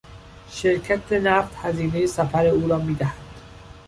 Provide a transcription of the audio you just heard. شرکت نفت هزینهی سفر او را میدهد.